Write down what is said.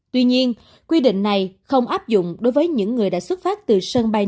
tuy nhiên quy định này không áp dụng đối với những người đã xuất phát từ sân bay